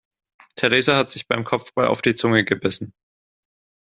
Theresa hat sich beim Kopfball auf die Zunge gebissen.